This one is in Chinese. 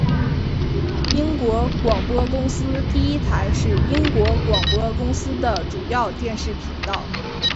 英国广播公司第一台是英国广播公司的主要电视频道。